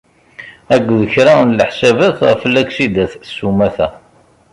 Akked kra n leḥsabat ɣef laksidat s umata.